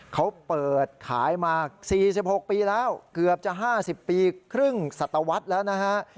เขาเปิดขายมา๔๖ปีแล้วเกือบจะ๕๐ปีครึ่งสัตวรรษแล้วนะฮะ